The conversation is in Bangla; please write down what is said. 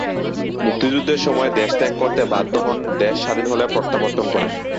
মুক্তিযুদ্ধের সময়ে দেশত্যাগ করতে বাধ্য হন, দেশ স্বাধীন হলে প্রত্যাবর্তন করেন।